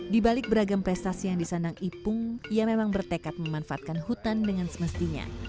di balik beragam prestasi yang disandang ipung ia memang bertekad memanfaatkan hutan dengan semestinya